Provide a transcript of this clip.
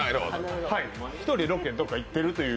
１人、ロケにどこか行ってるという。